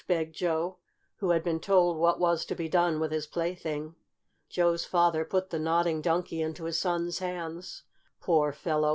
begged Joe, who had been told what was to be done with his plaything. Joe's father put the Nodding Donkey into his son's hands. "Poor fellow!"